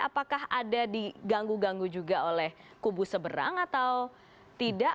apakah ada diganggu ganggu juga oleh kubu seberang atau tidak